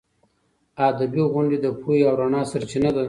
ادبي غونډې د پوهې او رڼا سرچینه ده.